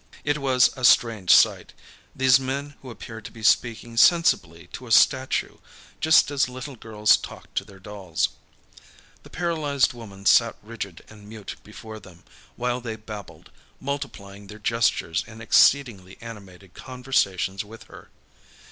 It was a strange sight: these men who appeared to be speaking sensibly to a statue, just as little girls talk to their dolls. The paralysed woman sat rigid and mute before them, while they babbled, multiplying their gestures in exceedingly animated conversations with her.